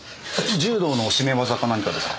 柔道の絞め技か何かですか。